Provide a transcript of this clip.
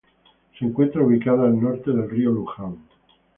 Se encuentra ubicado al norte del río Luján.